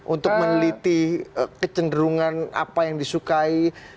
untuk meneliti kecenderungan apa yang disukai